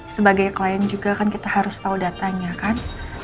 sebagai klien juga kan kita harus tahu datanya kan